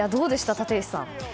立石さん。